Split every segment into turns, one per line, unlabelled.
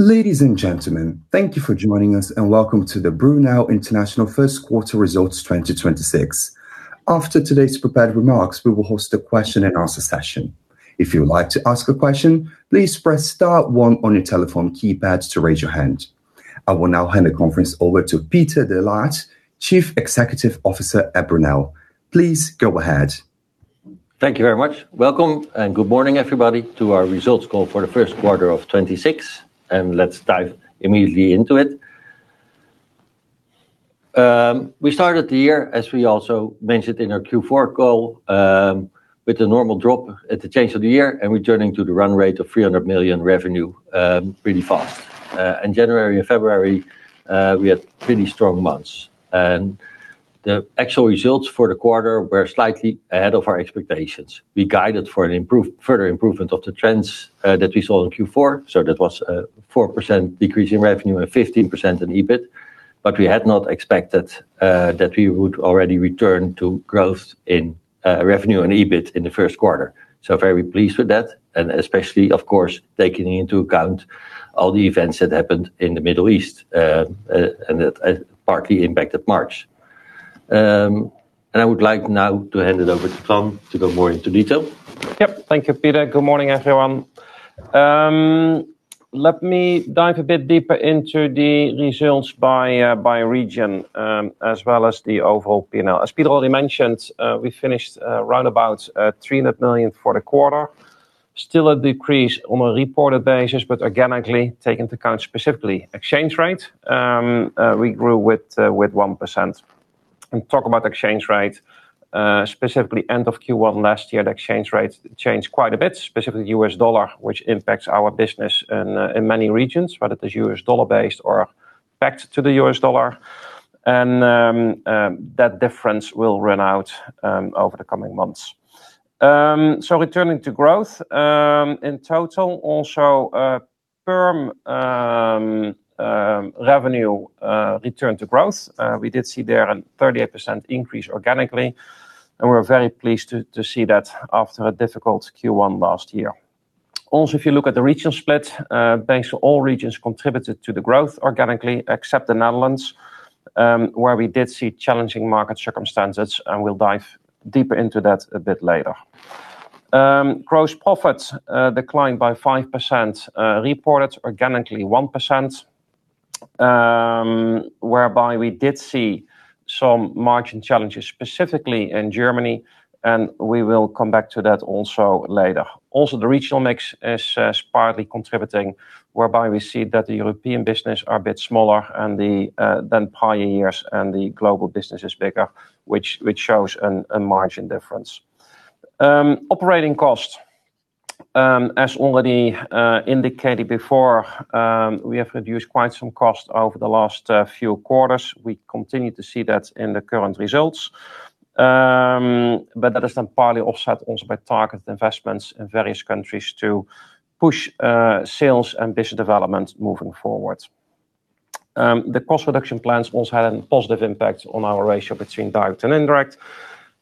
Ladies and gentlemen, thank you for joining us, and welcome to the Brunel International first quarter results 2026. After today's prepared remarks, we will host a question and answer session. If you would like to ask a question, please press star one on your telephone keypad to raise your hand. I will now hand the conference over to Peter de Laat, Chief Executive Officer at Brunel. Please go ahead.
Thank you very much. Welcome, and good morning, everybody, to our results call for the first quarter of 2026. Let's dive immediately into it. We started the year, as we also mentioned in our Q4 call, with a normal drop at the change of the year and returning to the run rate of 300 million revenue really fast. In January and February, we had really strong months. The actual results for the quarter were slightly ahead of our expectations. We guided for a further improvement of the trends that we saw in Q4. That was a 4% decrease in revenue and 15% in EBIT. We had not expected that we would already return to growth in revenue and EBIT in the first quarter. Very pleased with that and especially, of course, taking into account all the events that happened in the Middle East, and that partly impacted March. I would like now to hand it over to Toine to go more into detail.
Yep. Thank you, Peter. Good morning, everyone. Let me dive a bit deeper into the results by region, as well as the overall P&L. As Peter already mentioned, we finished round about 300 million for the quarter. Still a decrease on a reported basis, organically take into account specifically exchange rate. We grew with 1%. Talk about exchange rate, specifically end of Q1 last year, the exchange rates changed quite a bit, specifically U.S. dollar, which impacts our business in many regions, whether it is U.S. dollar-based or backed to the U.S. dollar. That difference will run out over the coming months. Returning to growth, in total, also, perm revenue return to growth. We did see there a 38% increase organically, and we're very pleased to see that after a difficult Q1 last year. If you look at the regional split, basically all regions contributed to the growth organically except the Netherlands, where we did see challenging market circumstances, and we'll dive deeper into that a bit later. Gross profits declined by 5%, reported organically 1%, whereby we did see some margin challenges, specifically in Germany, and we will come back to that also later. The regional mix is partly contributing, whereby we see that the European business are a bit smaller than prior years and the global business is bigger, which shows a margin difference. Operating costs, as already indicated before, we have reduced quite some costs over the last few quarters. We continue to see that in the current results. That is then partly offset also by targeted investments in various countries to push sales and business development moving forward. The cost reduction plans also had a positive impact on our ratio between direct and indirect.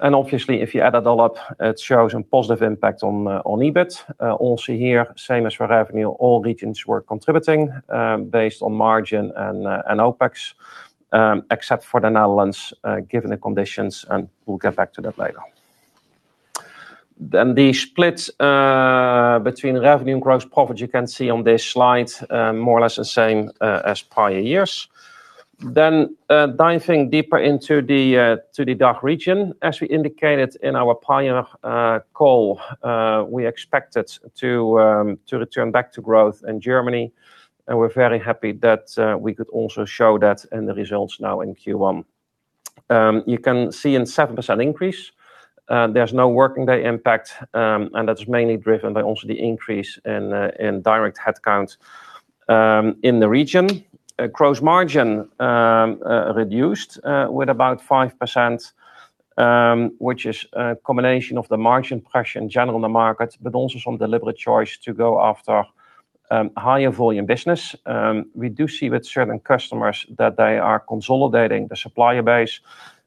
Obviously, if you add it all up, it shows a positive impact on EBIT. Also here, same as for revenue, all regions were contributing, based on margin and OpEx, except for the Netherlands, given the conditions, and we'll get back to that later. The split between revenue and gross profit, you can see on this slide, more or less the same as prior years. Diving deeper into the DACH region. As we indicated in our prior call, we expected to return back to growth in Germany, and we're very happy that we could also show that in the results now in Q1. You can see a 7% increase. There's no working day impact, and that's mainly driven by also the increase in direct headcount in the region. Gross margin reduced with about 5%, which is a combination of the margin pressure in general in the market, but also some deliberate choice to go after higher volume business. We do see with certain customers that they are consolidating the supplier base,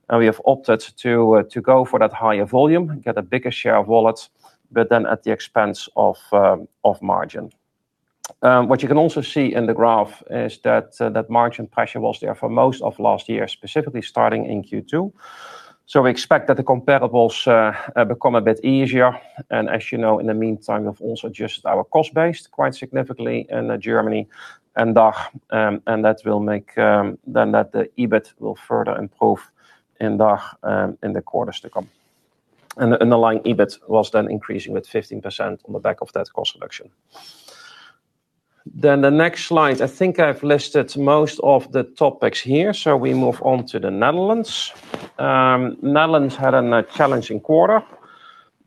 and we have opted to go for that higher volume, get a bigger share of wallets, but then at the expense of margin. What you can also see in the graph is that margin pressure was there for most of last year, specifically starting in Q2. We expect that the comparables become a bit easier. As you know, in the meantime, we've also adjusted our cost base quite significantly in Germany and DACH, and that will make then that the EBIT will further improve in DACH in the quarters to come. The underlying EBIT was then increasing with 15% on the back of that cost reduction. The next slide. I think I've listed most of the topics here, so we move on to the Netherlands. Netherlands had a challenging quarter.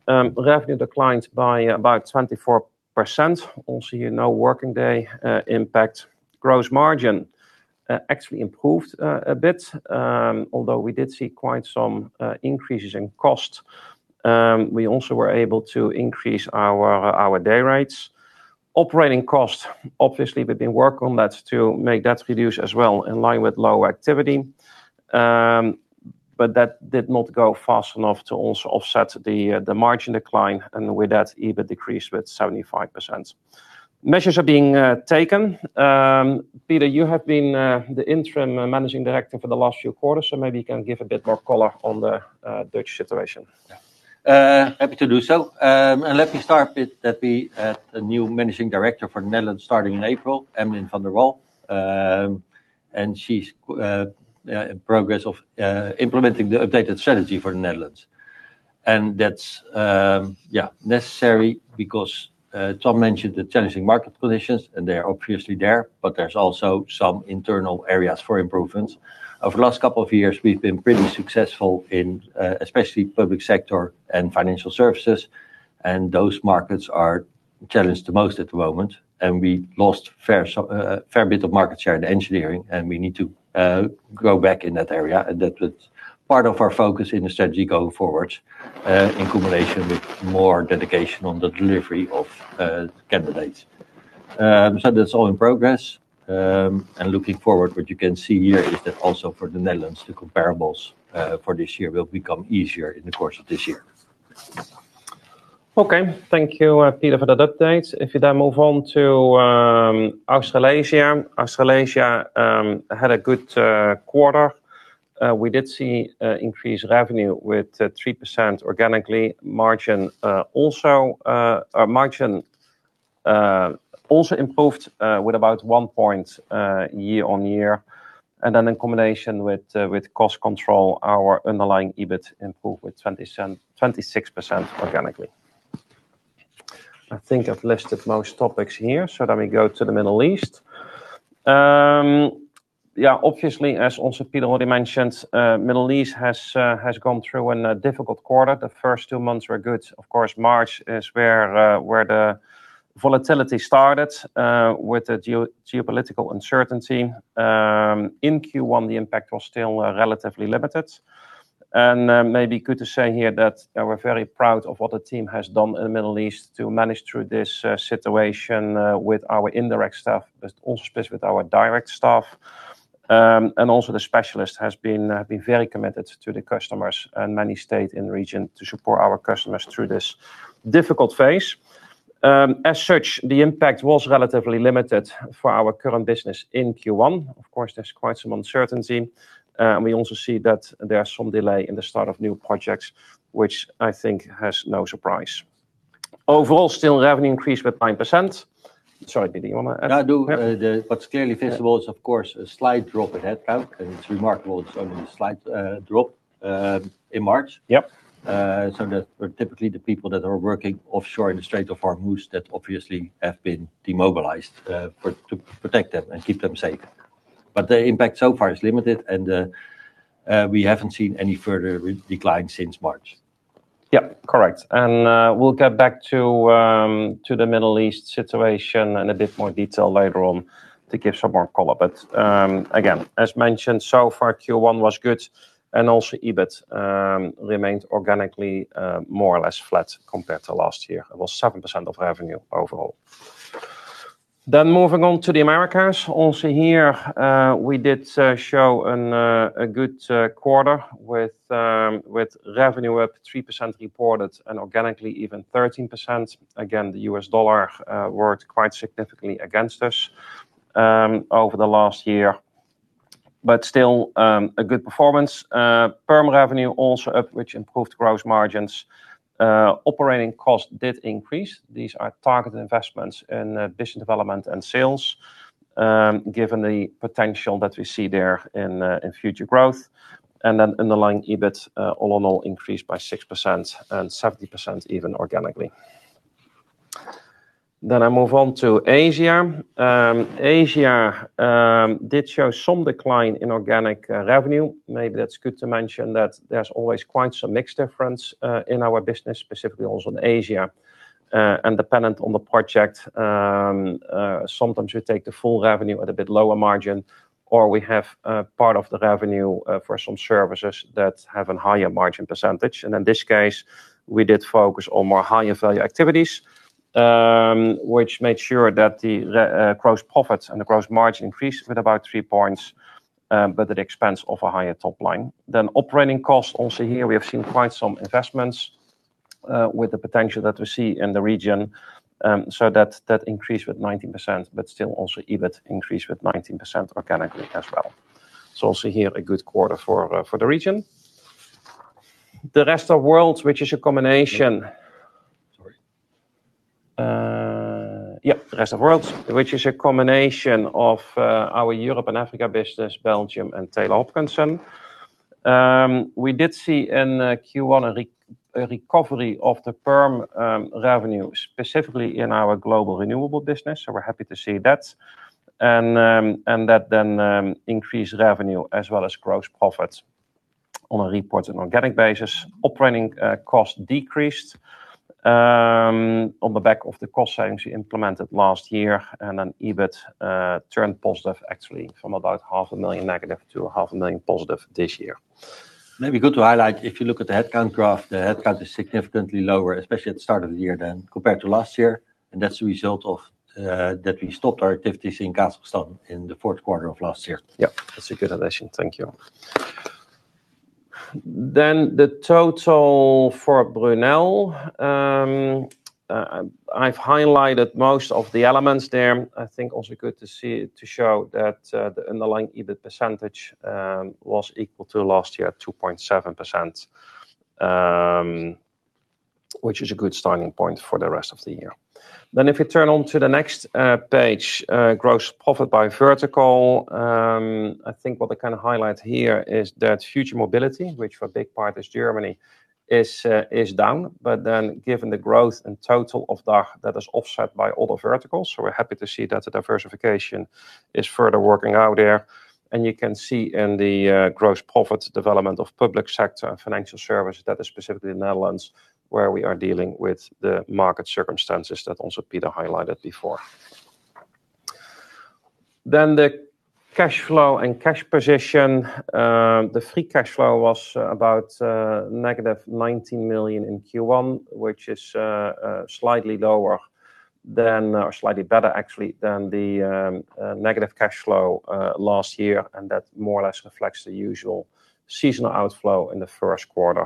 Revenue declined by about 24%. Also, you know, working day impact. Gross margin actually improved a bit. Although we did see quite some increases in cost, we also were able to increase our day rates. Operating costs, obviously, we've been working on that to make that reduce as well in line with lower activity. That did not go fast enough to offset the margin decline, and with that, EBIT decreased with 75%. Measures are being taken. Peter, you have been the interim Managing Director for the last few quarters, so maybe you can give a bit more color on the Dutch situation.
Yeah. Let me start with that we have a new Managing Director for Netherlands starting in April, Emlyn van der Wal. She's in progress of implementing the updated strategy for Netherlands. That's, yeah, necessary because Toine mentioned the challenging market conditions. They're obviously there, but there's also some internal areas for improvements. Over the last couple of years, we've been pretty successful in especially public sector and financial services. Those markets are challenged the most at the moment. We lost a fair bit of market share in engineering. We need to grow back in that area. That was part of our focus in the strategy going forward in combination with more dedication on the delivery of candidates. That's all in progress. Looking forward, what you can see here is that also for the Netherlands, the comparables, for this year will become easier in the course of this year.
Thank you, Peter, for that update. Move on to Australasia. Australasia had a good quarter. We did see increased revenue with 3% organically. Margin also improved with about one point year-on-year. In combination with cost control, our underlying EBIT improved with 26% organically. I think I've listed most topics here, let me go to the Middle East. Obviously, as Peter already mentioned, Middle East has gone through a difficult quarter. The first two months were good. Of course, March is where the volatility started with the geopolitical uncertainty. In Q1, the impact was still relatively limited. Maybe good to say here that we're very proud of what the team has done in the Middle East to manage through this situation with our indirect staff, but also especially with our direct staff. The specialist has been very committed to the customers and many stayed in the region to support our customers through this difficult phase. As such, the impact was relatively limited for our current business in Q1. Of course, there's quite some uncertainty, and we also see that there are some delay in the start of new projects, which I think has no surprise. Overall, still revenue increased with 9%. Sorry, Peter, you want to add?
I do.
Yeah.
What's clearly visible is, of course, a slight drop in headcount, and it's remarkable it's only a slight drop in March.
Yep.
That are typically the people that are working offshore in the Strait of Hormuz that obviously have been demobilized, to protect them and keep them safe. The impact so far is limited, and we haven't seen any further re-decline since March.
Yeah. Correct. We'll get back to the Middle East situation in a bit more detail later on to give some more color. Again, as mentioned, so far, Q1 was good, and also EBIT remained organically more or less flat compared to last year. It was 7% of revenue overall. Moving on to the Americas. Also here, we did show a good quarter with revenue up 3% reported and organically even 13%. Again, the U.S. dollar worked quite significantly against us over the last year. Still, a good performance. Perm revenue also up, which improved gross margins. Operating costs did increase. These are targeted investments in business development and sales, given the potential that we see there in future growth. Underlying EBIT, all in all, increased by 6% and 70% even organically. I move on to Asia. Asia did show some decline in organic revenue. Maybe that's good to mention that there's always quite some mix difference in our business, specifically also in Asia. Dependent on the project, sometimes we take the full revenue at a bit lower margin, or we have part of the revenue for some services that have a higher margin %. In this case, we did focus on more higher value activities, which made sure that the gross profits and the gross margin increased with about three points at the expense of a higher top line. Operating costs, also here we have seen quite some investments with the potential that we see in the region. That increased with 19%, still also EBIT increased with 19% organically as well. Also here, a good quarter for the region. The rest of world, which is a combination. Sorry. Rest of world, which is a combination of our Europe and Africa business, Belgium, and Taylor Hopkinson. We did see in Q1 a recovery of the perm revenue, specifically in our global renewable business. We're happy to see that. That increased revenue as well as gross profits on a reported and organic basis. Operating costs decreased on the back of the cost savings we implemented last year. EBIT turned positive actually from about -0.5 million to +0.5 million this year.
Maybe good to highlight, if you look at the headcount graph, the headcount is significantly lower, especially at the start of the year than compared to last year. That's a result of that we stopped our activities in Kazakhstan in the fourth quarter of last year.
Yeah. That's a good addition. Thank you. The total for Brunel, I've highlighted most of the elements there. I think also good to show that the underlying EBIT percentage was equal to last year at 2.7%, which is a good starting point for the rest of the year. If you turn on to the next page, gross profit by vertical, I think what I kinda highlight here is that future mobility, which for a big part is Germany, is down. Given the growth and total of DACH, that is offset by other verticals. We're happy to see that the diversification is further working out there. You can see in the gross profits development of public sector financial service, that is specifically Netherlands, where we are dealing with the market circumstances that also Peter highlighted before. The cash flow and cash position, the free cash flow was about -19 million in Q1, which is slightly lower than or slightly better actually than the negative cash flow last year. That more or less reflects the usual seasonal outflow in the first quarter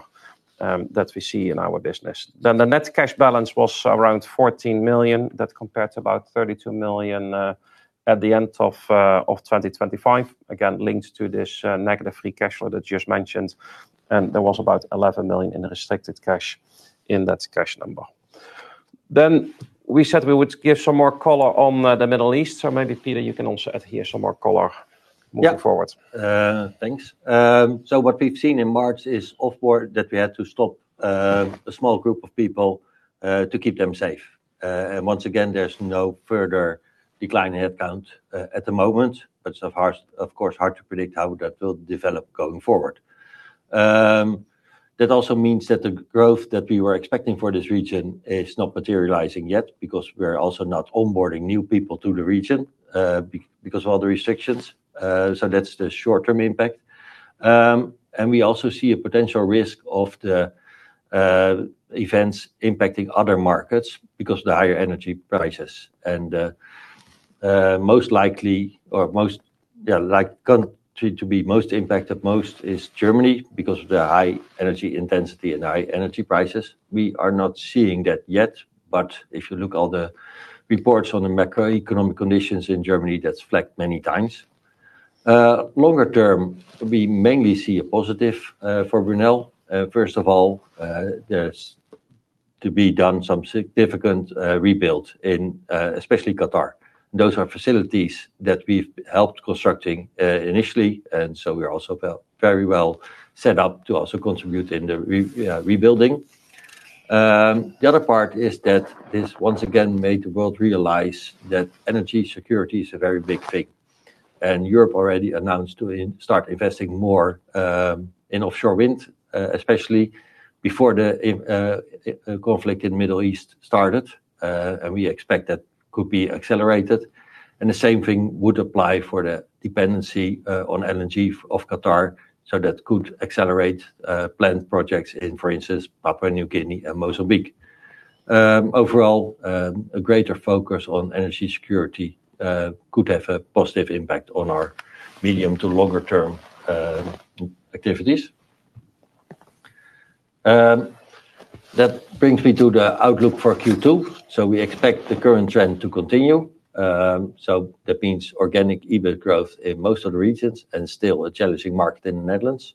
that we see in our business. The net cash balance was around 14 million. That compared to about 32 million at the end of 2025, again, linked to this negative free cash flow that you just mentioned. There was about 11 million in restricted cash in that cash number. We said we would give some more color on the Middle East. Maybe, Peter, you can also add here some more color moving forward.
Yeah. Thanks. What we've seen in March is offshore that we had to stop a small group of people to keep them safe. Once again, there's no further decline in headcount at the moment, but it's of course hard to predict how that will develop going forward. That also means that the growth that we were expecting for this region is not materializing yet because we are also not onboarding new people to the region because of all the restrictions. That's the short-term impact. We also see a potential risk of the events impacting other markets because of the higher energy prices and most likely country to be most impacted is Germany because of the high energy intensity and high energy prices. We are not seeing that yet. If you look all the reports on the macroeconomic conditions in Germany, that's flagged many times. Longer term, we mainly see a positive for Brunel. First of all, there's to be done some significant rebuild in especially Qatar. Those are facilities that we've helped constructing initially. We are also very well set up to also contribute in the rebuilding. The other part is that this once again made the world realize that energy security is a very big thing. Europe already announced to start investing more in offshore wind especially before the conflict in Middle East started. We expect that could be accelerated. The same thing would apply for the dependency on LNG of Qatar. That could accelerate planned projects in, for instance, Papua New Guinea and Mozambique. Overall, a greater focus on energy security could have a positive impact on our medium to longer term activities. That brings me to the outlook for Q2. We expect the current trend to continue. That means organic EBIT growth in most of the regions and still a challenging market in the Netherlands.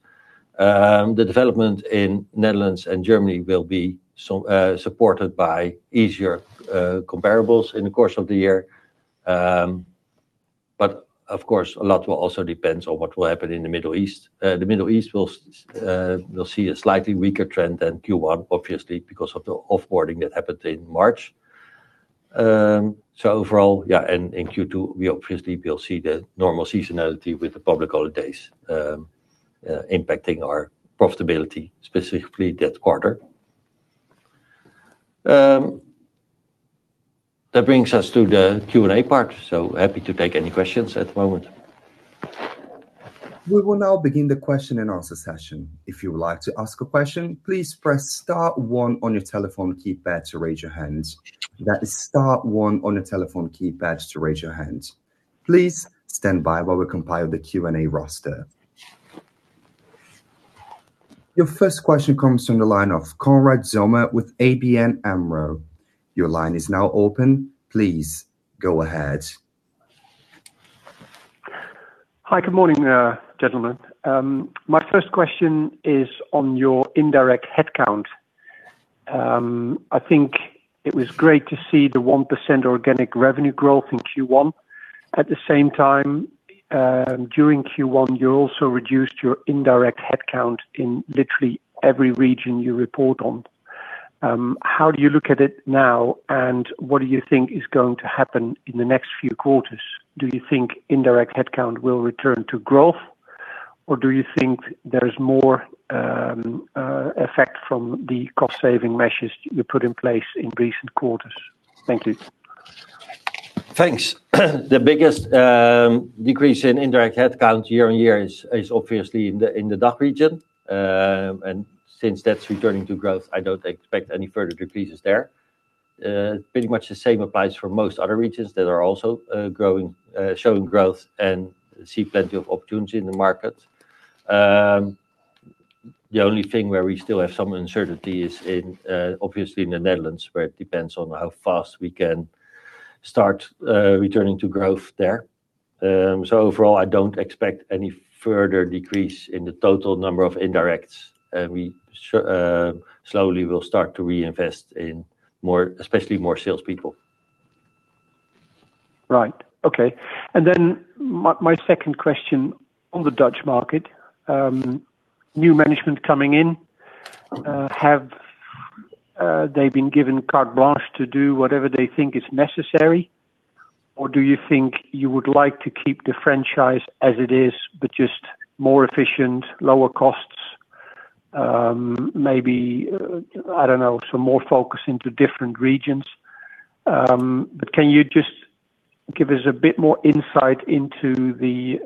The development in Netherlands and Germany will be supported by easier comparables in the course of the year. Of course, a lot will also depends on what will happen in the Middle East. The Middle East will see a slightly weaker trend than Q1, obviously, because of the off-boarding that happened in March. Overall, yeah, in Q2, we obviously will see the normal seasonality with the public holidays, impacting our profitability, specifically that quarter. That brings us to the Q&A part. Happy to take any questions at the moment.
We will now begin the question and answer session. Please stand by while we compile the Q&A roster. Your first question comes from the line of Konrad Zomer with ABN AMRO. Your line is now open. Please go ahead.
Hi. Good morning, gentlemen. My first question is on your indirect headcount. I think it was great to see the 1% organic revenue growth in Q1. At the same time, during Q1, you also reduced your indirect headcount in literally every region you report on. How do you look at it now, and what do you think is going to happen in the next few quarters? Do you think indirect headcount will return to growth, or do you think there is more effect from the cost-saving measures you put in place in recent quarters? Thank you.
Thanks. The biggest decrease in indirect headcount year on year is obviously in the DACH region. Since that's returning to growth, I don't expect any further decreases there. Pretty much the same applies for most other regions that are also showing growth and see plenty of opportunities in the market. The only thing where we still have some uncertainty is in obviously in the Netherlands, where it depends on how fast we can start returning to growth there. Overall, I don't expect any further decrease in the total number of indirects. We slowly will start to reinvest in more, especially more salespeople.
Right. Okay. My second question on the Dutch market, new management coming in, have they been given carte blanche to do whatever they think is necessary? Do you think you would like to keep the franchise as it is, but just more efficient, lower costs, maybe, I don't know, some more focus into different regions? Can you just give us a bit more insight into the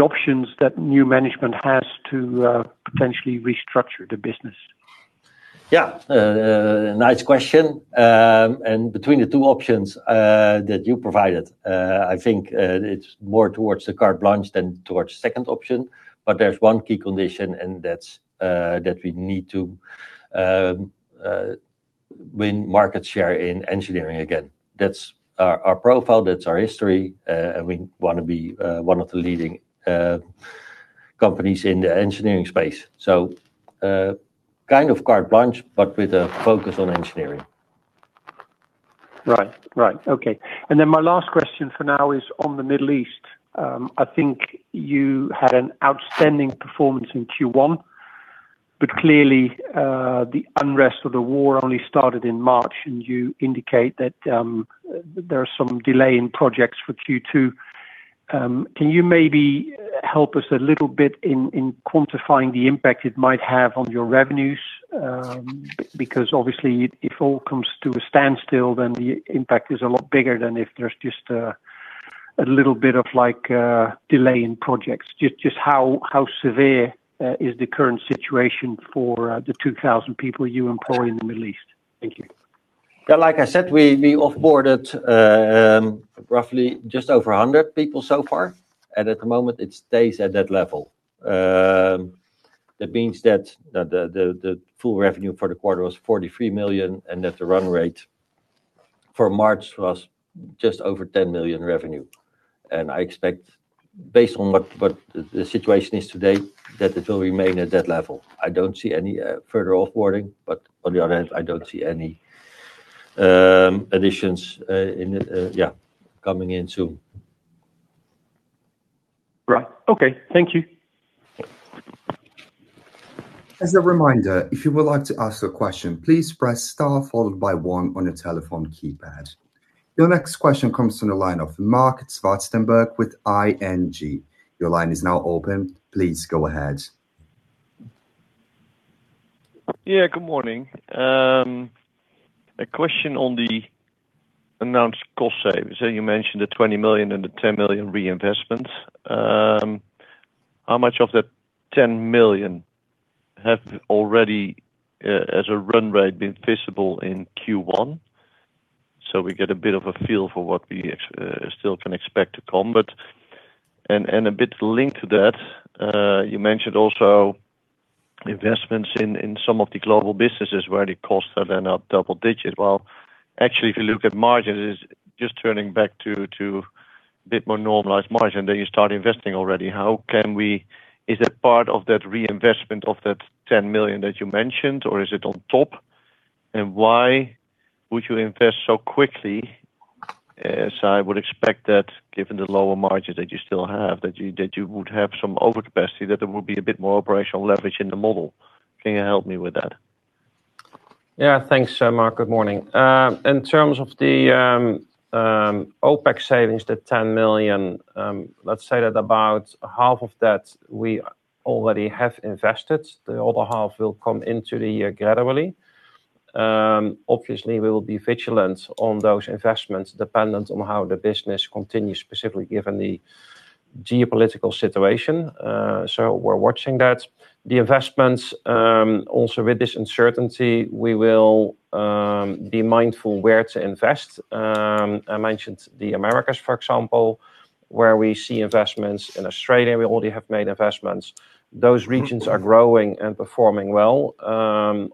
options that new management has to potentially restructure the business?
Yeah. Nice question. Between the two options, that you provided, I think, it's more towards the carte blanche than towards the second option. There's one key condition, and that's, that we need to, win market share in engineering again. That's our profile, that's our history. We wanna be, one of the leading, companies in the engineering space. Kind of carte blanche, but with a focus on engineering.
Right. Right. Okay. Then my last question for now is on the Middle East. I think you had an outstanding performance in Q1, clearly, the unrest of the war only started in March, you indicate that there are some delay in projects for Q2. Can you maybe help us a little bit in quantifying the impact it might have on your revenues? Obviously if all comes to a standstill, then the impact is a lot bigger than if there's just a little bit of like delay in projects. Just how severe is the current situation for the 2,000 people you employ in the Middle East? Thank you.
Yeah, like I said, we off-boarded roughly just over 100 people so far. At the moment it stays at that level. That means that the full revenue for the quarter was 43 million, and that the run rate for March was just over 10 million revenue. I expect based on what the situation is today, that it will remain at that level. I don't see any further off-boarding, but on the other hand, I don't see any additions, in yeah, coming in soon.
Right. Okay. Thank you.
As a reminder if you would like to ask a question please press star followed by one on your telephone keypad. Your next question comes from the line of Marc Zwartsenburg with ING. Your line is now open. Please go ahead.
Good morning. A question on the announced cost savings. You mentioned the 20 million and the 10 million reinvestment. How much of that 10 million have already, as a run rate, been visible in Q1? We get a bit of a feel for what we still can expect to come. A bit linked to that, you mentioned also investments in some of the global businesses where the costs are up double-digit. Actually, if you look at margins, just turning back to a bit more normalized margin, you start investing already. Is that part of that reinvestment of that 10 million that you mentioned, or is it on top? Why would you invest so quickly, as I would expect that given the lower margins that you still have, that you would have some overcapacity, that there would be a bit more operational leverage in the model. Can you help me with that?
Thanks, Marc. Good morning. In terms of the OpEx savings, the 10 million, let's say that about half of that we already have invested. The other half will come into the year gradually. Obviously, we will be vigilant on those investments dependent on how the business continues, specifically given the geopolitical situation. We're watching that. The investments, also with this uncertainty, we will be mindful where to invest. I mentioned the Americas, for example, where we see investments. In Australia, we already have made investments. Those regions are growing and performing well.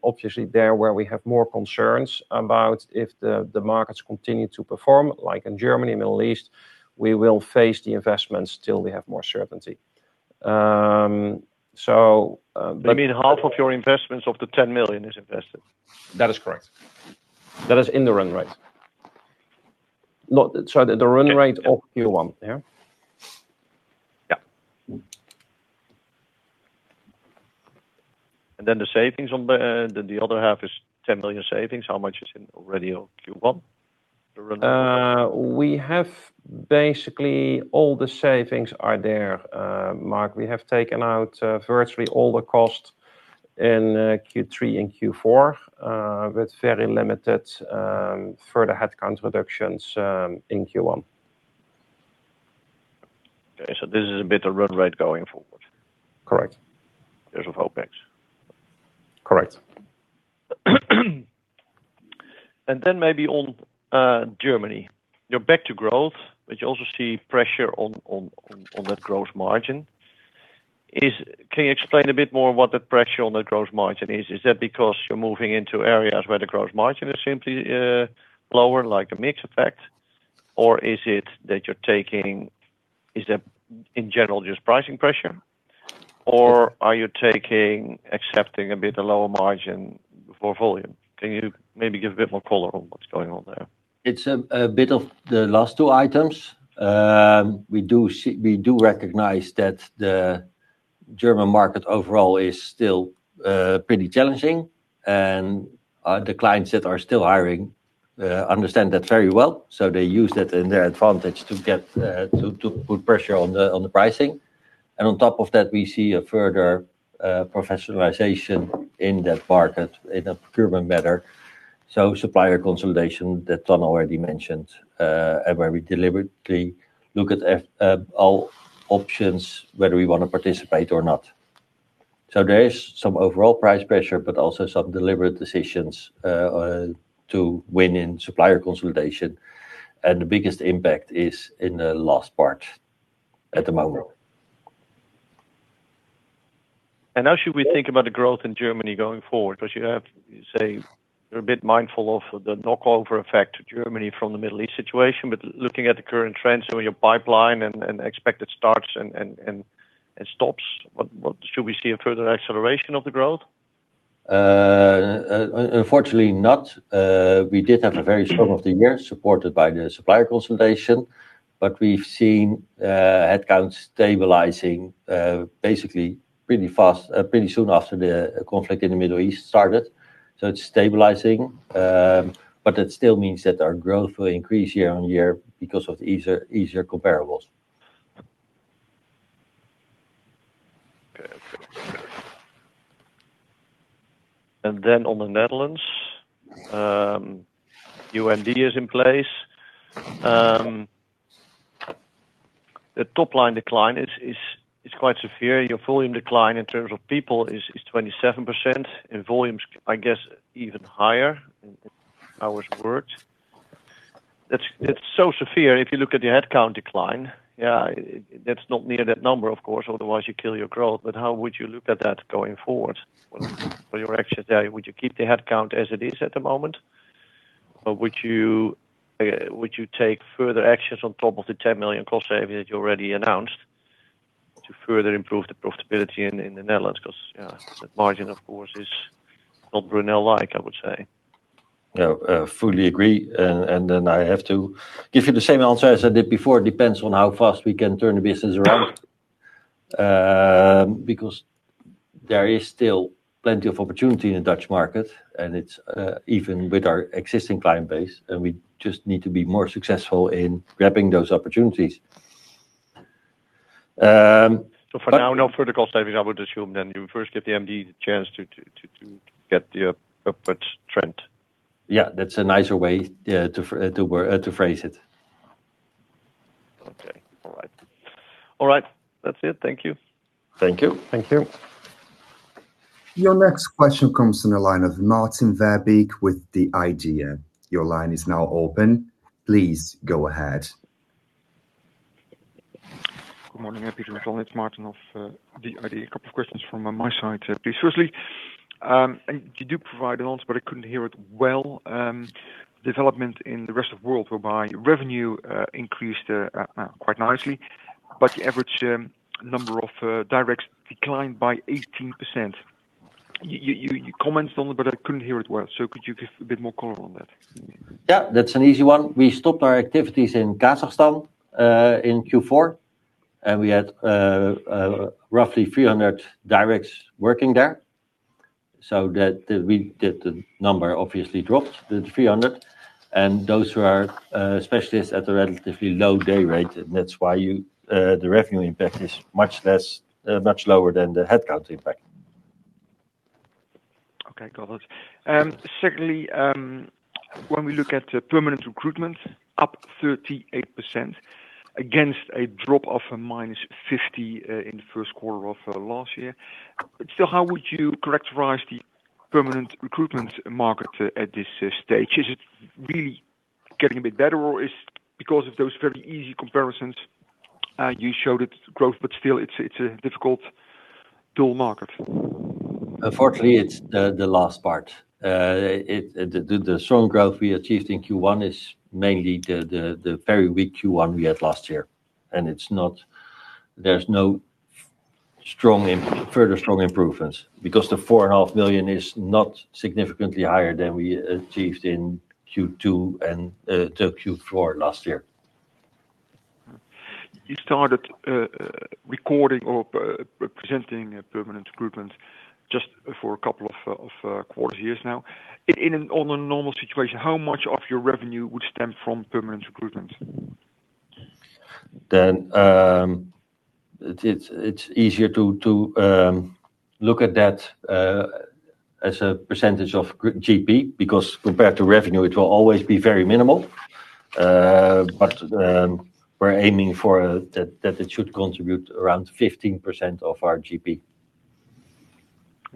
Obviously there where we have more concerns about if the markets continue to perform, like in Germany, Middle East, we will phase the investments till we have more certainty.
You mean half of your investments of the 10 million is invested?
That is correct. That is in the run rate. Sorry, the run rate of Q1. Yeah. Yeah.
The savings on then the other half is 10 million savings. How much is in already on Q1?
We have basically all the savings are there, Marc. We have taken out virtually all the cost in Q3 and Q4 with very limited further headcount reductions in Q1.
This is a bit of run rate going forward?
Correct.
In terms of OpEx.
Correct.
Maybe on Germany, you're back to growth, but you also see pressure on that gross margin. Can you explain a bit more what the pressure on the gross margin is? Is that because you're moving into areas where the gross margin is simply lower, like a mix effect? Is that in general just pricing pressure? Are you accepting a bit lower margin for volume? Can you maybe give a bit more color on what's going on there?
It's a bit of the last two items. We do recognize that the German market overall is still pretty challenging, and the clients that are still hiring understand that very well, so they use that in their advantage to get to put pressure on the pricing. On top of that, we see a further professionalization in that market in a procurement manner. Supplier consolidation that Toine already mentioned, and where we deliberately look at all options whether we wanna participate or not. There is some overall price pressure, but also some deliberate decisions to win in supplier consolidation, and the biggest impact is in the last part at the moment.
How should we think about the growth in Germany going forward? 'Cause you say you're a bit mindful of the knock-over effect to Germany from the Middle East situation, but looking at the current trends or your pipeline and expected starts and stops, what? Should we see a further acceleration of the growth?
Unfortunately not. We did have a very strong half of the year supported by the supplier consolidation, but we've seen headcounts stabilizing, basically pretty fast, pretty soon after the conflict in the Middle East started. It's stabilizing, but it still means that our growth will increase year-on-year because of easier comparables.
On the Netherlands, new MD is in place. The top line decline is quite severe. Your volume decline in terms of people is 27%. In volumes, I guess, even higher in hours worked. It's so severe if you look at your headcount decline. Yeah, that's not near that number, of course, otherwise you kill your growth. How would you look at that going forward? What are your actions there? Would you keep the headcount as it is at the moment? Or would you take further actions on top of the 10 million cost saving that you already announced to further improve the profitability in the Netherlands? Yeah, that margin of course is not Brunel-like, I would say.
No, fully agree. Then I have to give you the same answer as I did before. It depends on how fast we can turn the business around. There is still plenty of opportunity in the Dutch market, even with our existing client base, and we just need to be more successful in grabbing those opportunities.
For now, no further cost saving, I would assume, then you first give the MD the chance to get the upwards trend.
Yeah. That's a nicer way, yeah, to phrase it.
Okay. All right. All right. That's it. Thank you.
Thank you.
Thank you.
Your next question comes on the line of Maarten Verbeek with the IDEA!.
Good morning, Peter and Toine van Doremalen. It's Maarten Verbeek of the IDEA!. A couple of questions from my side. Firstly, you do provide an answer, but I couldn't hear it well. Development in the rest of world whereby revenue increased quite nicely, but the average number of directs declined by 18%. You commented on it, but I couldn't hear it well. Could you give a bit more color on that?
That's an easy one. We stopped our activities in Kazakhstan in Q4, and we had roughly 300 directs working there. That the number obviously dropped to 300, and those who are specialists at a relatively low day rate, and that's why the revenue impact is much less, much lower than the headcount impact.
Okay. Got it. Secondly, when we look at the permanent recruitment, up 38% against a drop of -50% in the first quarter of last year. How would you characterize the permanent recruitment market at this stage? Is it really getting a bit better, or is because of those very easy comparisons, you showed its growth, but still it's a difficult dual market?
Unfortunately, it's the last part. The strong growth we achieved in Q1 is mainly the very weak Q1 we had last year, and there's no strong further strong improvements because the 4.5 million is not significantly higher than we achieved in Q2 and the Q4 last year.
You started recording or representing permanent recruitment just for a couple of quarters years now. On a normal situation, how much of your revenue would stem from permanent recruitment?
It's easier to look at that as a percentage of GP, because compared to revenue, it will always be very minimal. We're aiming for that it should contribute around 15% of our GP.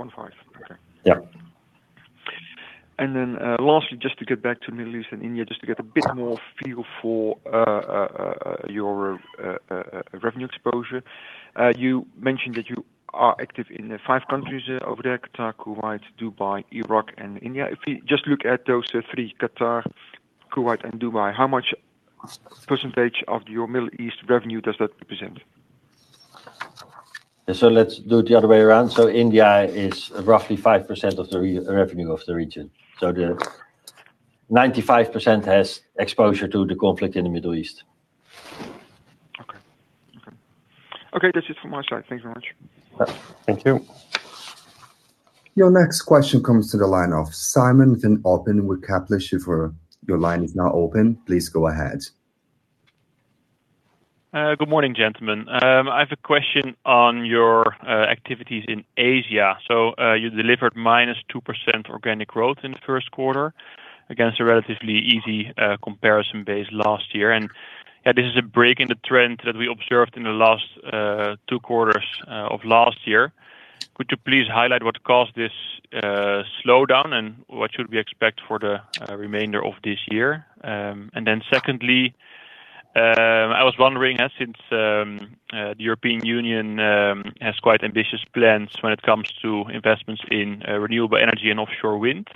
15%? Okay.
Yeah.
Lastly, just to get back to Middle East and India, just to get a bit more feel for your revenue exposure. You mentioned that you are active in five countries over there, Qatar, Kuwait, Dubai, Iraq, and India. If we just look at those three, Qatar, Kuwait, and Dubai, how much % of your Middle East revenue does that represent?
Let's do it the other way around. India is roughly 5% of the revenue of the region. The 95% has exposure to the conflict in the Middle East.
Okay. Okay. Okay, that's it from my side. Thank you very much.
Thank you.
Your next question comes to the line of Simon van Oppen with Kepler Cheuvreux.
Good morning, gentlemen. I have a question on your activities in Asia. You delivered -2% organic growth in the first quarter against a relatively easy comparison base last year. This is a break in the trend that we observed in the last two quarters of last year. Could you please highlight what caused this slowdown and what should we expect for the remainder of this year? Secondly, I was wondering, since the European Union has quite ambitious plans when it comes to investments in renewable energy and offshore wind,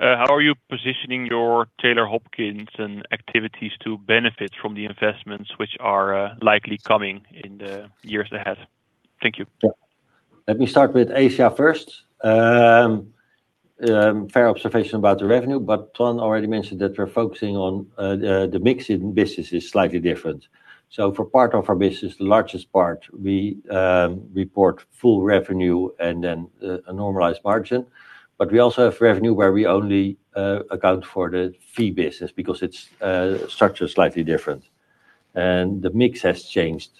how are you positioning your Taylor Hopkinson activities to benefit from the investments which are likely coming in the years ahead? Thank you.
Yeah. Let me start with Asia first. Fair observation about the revenue, Toine already mentioned that we're focusing on the mix in business is slightly different. For part of our business, the largest part, we report full revenue and then a normalized margin. We also have revenue where we only account for the fee business because it's structured slightly different. The mix has changed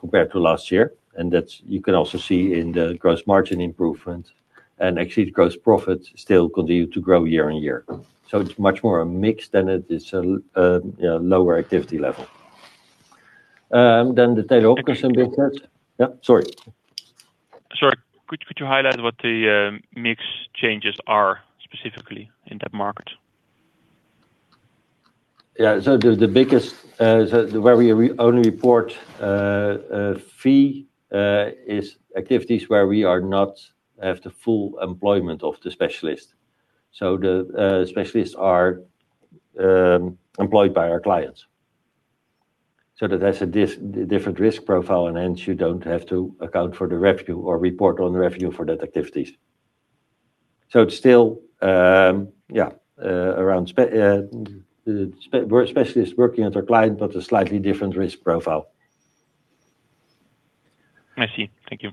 compared to last year, and that you can also see in the gross margin improvement. Actually, the gross profit still continue to grow year-on-year. It's much more a mix than it is, you know, lower activity level. The Taylor Hopkinson business.
Okay.
Yeah, sorry.
Sorry. Could you highlight what the mix changes are specifically in that market?
Yeah. The biggest where we only report fee is activities where we are not at the full employment of the specialist. The specialists are employed by our clients. That's a different risk profile, and hence you don't have to account for the revenue or report on the revenue for that activities. It's still, yeah, around where specialists working at our client, but a slightly different risk profile.
I see. Thank you.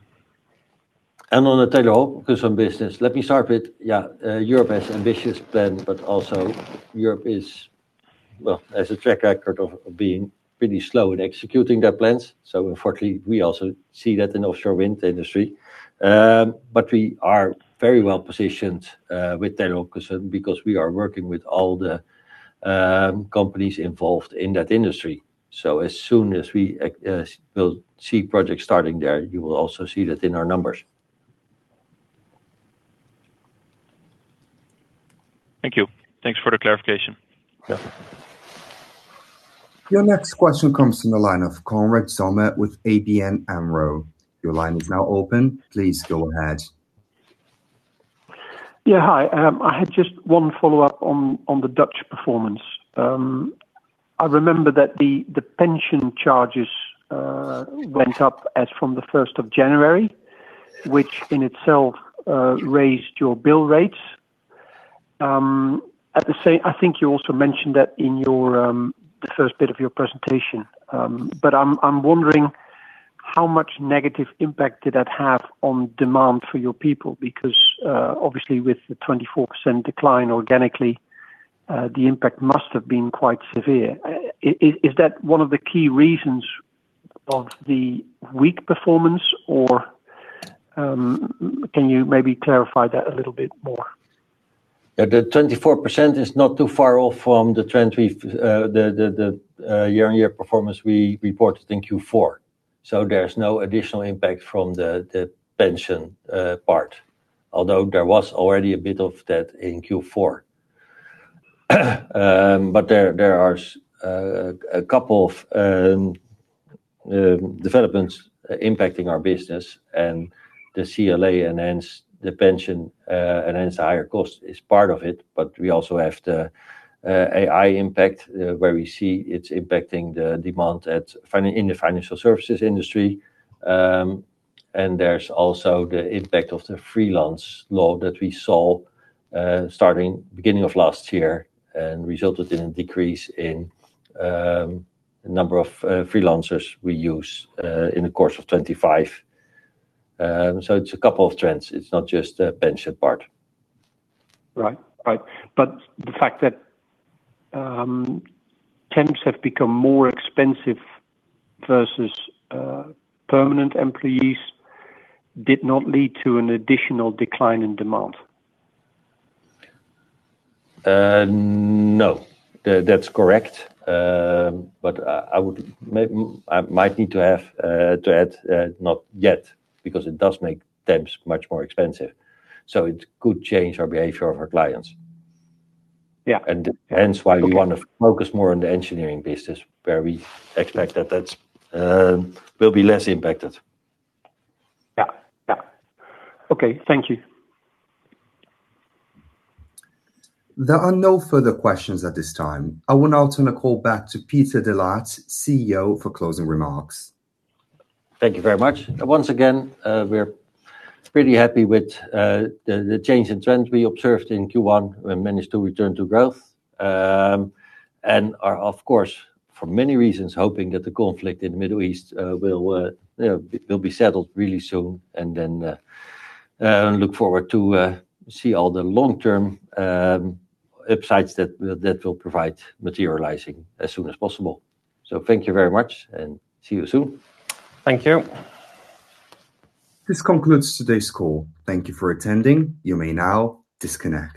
On the Taylor Hopkinson business, let me start with, Europe has ambitious plan, but also Europe is, well, has a track record of being pretty slow in executing their plans. Unfortunately, we also see that in offshore wind industry. We are very well-positioned with Taylor Hopkinson because we are working with all the companies involved in that industry. As soon as we will see projects starting there, you will also see that in our numbers.
Thank you. Thanks for the clarification.
Yeah.
Your next question comes from the line of Konrad Zomer with ABN AMRO. Your line is now open. Please go ahead.
Yeah, hi. I had just one follow-up on the Dutch performance. I remember that the pension charges went up as from the first of January, which in itself raised your bill rates. I think you also mentioned that in your the first bit of your presentation. I'm wondering how much negative impact did that have on demand for your people because obviously with the 24% decline organically, the impact must have been quite severe. Is that one of the key reasons of the weak performance, or can you maybe clarify that a little bit more?
The 24% is not too far off from the trend we've, the year-on-year performance we reported in Q4. There's no additional impact from the pension part, although there was already a bit of that in Q4. There are a couple of developments impacting our business and the CLA and hence the pension and hence higher cost is part of it. We also have the AI impact where we see it's impacting the demand in the financial services industry. There's also the impact of the freelance law that we saw starting beginning of last year and resulted in a decrease in number of freelancers we use in the course of 2025. It's a couple of trends. It's not just the pension part.
Right. Right. The fact that temps have become more expensive versus permanent employees did not lead to an additional decline in demand.
No. That's correct. I might need to have to add not yet because it does make temps much more expensive, so it could change our behavior of our clients.
Yeah.
Hence why we want to focus more on the engineering business where we expect that will be less impacted.
Yeah. Yeah. Okay. Thank you.
There are no further questions at this time. I want to now turn the call back to Peter de Laat, CEO, for closing remarks.
Thank you very much. Once again, we're pretty happy with the change in trends we observed in Q1. We managed to return to growth. Of course, for many reasons, hoping that the conflict in the Middle East will, you know, be settled really soon and then look forward to see all the long-term upsides that will provide materializing as soon as possible. Thank you very much, and see you soon.
Thank you.
This concludes today's call. Thank you for attending. You may now disconnect.